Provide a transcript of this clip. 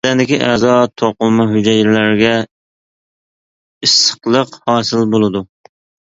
بەدەندىكى ئەزا، توقۇلما، ھۈجەيرىلەرگە ئىسسىقلىق ھاسىل بولىدۇ.